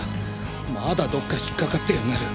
まだどっか引っ掛かってやがる。